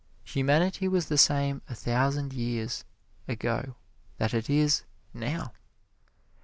Humanity was the same a thousand years ago that it is now.